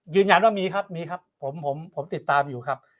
ยืนยันว่ามีครับมีครับผมผมติดตามอยู่ครับ